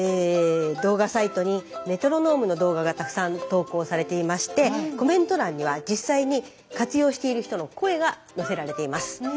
動画サイトにメトロノームの動画がたくさん投稿されていましてコメント欄には実際に活用している人の声が載せられています。